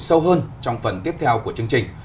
sâu hơn trong phần tiếp theo của chương trình